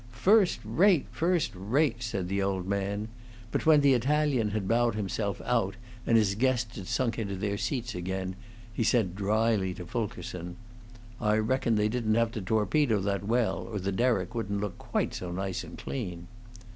"First rate, first rate!" said the old man; but when the Italian had bowed himself out and his guests had sunk into their seats again, he said dryly to Fulkerson, "I reckon they didn't have to torpedo that well, or the derrick wouldn't look quite so nice and clean."